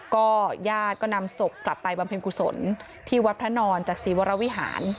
ก็ญาติก็นำศพกลับไปบำเพ็ญกุศลที่วัดพระนอนจากศรีวรวิหาร